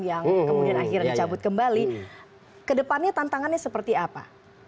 yang kemudian akhirnya dicabut kembali ke depannya tantangannya seperti apa